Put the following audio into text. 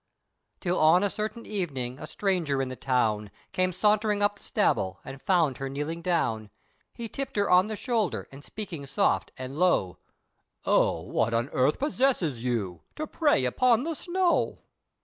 Till on a certain evening, a stranger in the town, Came sauntering up the Staball, and found her kneeling down, He tipped her on the shoulder, and speaking soft, and low, "O what on earth possesses you, to pray upon the snow."